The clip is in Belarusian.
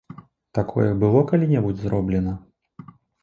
Такое было калі-небудзь зроблена?